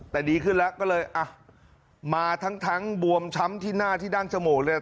แต่ดีขึ้นแล้วก็เลยอ่ะมาทั้งบวมช้ำที่หน้าที่ดั้งจมูกเลย